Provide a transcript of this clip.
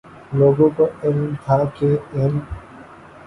لوگوں کو علم تھا کہ ان